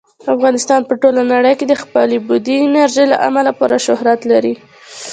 افغانستان په ټوله نړۍ کې د خپلې بادي انرژي له امله پوره شهرت لري.